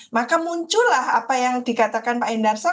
maka muncullah apa yang dikatakan pak endarsa